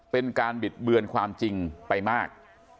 เป็นการบิดเบือนความจริงไปมาก